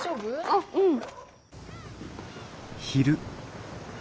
あっうん。